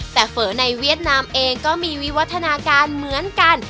แต่เฝอในเวียดนามเองก็มีวิวัฒนาการเหมือนกัน